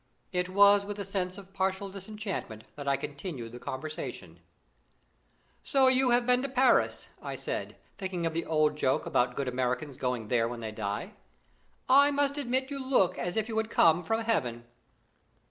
It was with a sense of partial disenchantment that I continued the conversation: "So you have been in Paris?" I said, thinking of the old joke about good Americans going there when they die. "I must admit you look as if you had come from Heaven!"